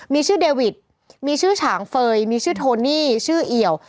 มีชื่อเดวิดมีชื่อฉางเฟย์มีชื่อโทนี่ชื่อเอี่ยว